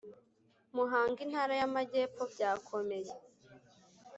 Muhanga Intara y Amajyepfo byakomeye